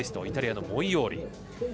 イタリアのモイオーリ。